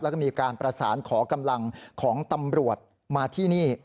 แล้วก็มีการประสานขอกำลังของตำรวจมาที่นี่